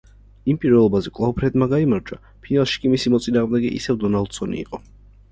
იმ პირველობაზე კვლავ ფრედმა გაიმარჯვა, ფინალში კი მისი მოწინააღმდეგე ისევ დონალდსონი იყო.